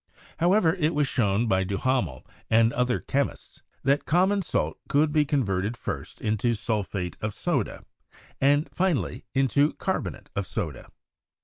However, it was shown by Duhamel and other chemists that common salt could be converted first into sulphate of soda, and finally into carbonate of soda.